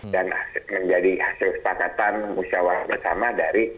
dan menjadi hasil sepakatan musyawarat bersama dari